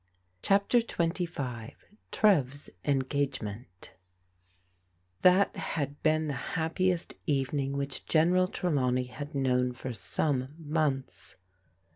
CHAPTER XXV TREV'S ENGAGEMENT THAT had been the happiest evening which Gen eral Trelawney had known for some months.